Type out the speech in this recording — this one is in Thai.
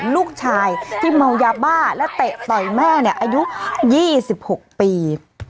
ลูกชายที่เมายาบ้าและเตะต่อยแม่เนี่ยอายุ๒๖ปี